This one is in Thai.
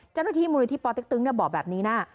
เจ้าหน้าที่มศปติ๊กตึ๊งบอกแบบนี้นะ